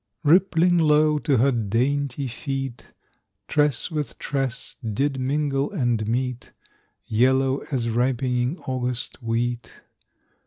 _) Rippling low to her dainty feet, Tress with tress did mingle and meet, Yellow as ripening August wheat.